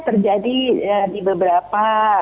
terjadi di beberapa